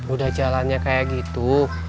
udah jalannya kaya gitu